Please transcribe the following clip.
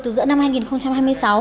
từ giữa năm hai nghìn hai mươi sáu